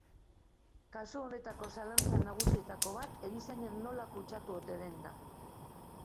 Kasu honetako zalantza nagusietako bat erizaina nola kutsatu ote den da.